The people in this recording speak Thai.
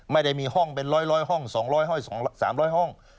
ไม่ได้มีห้องเป็น๑๐๐ห้อง๒๐๐ห้อง๓๐๐ห้อง